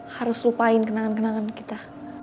harus lupain kenangan kenangan kita